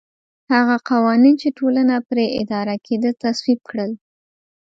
هغه قوانین چې ټولنه پرې اداره کېده تصویب کړل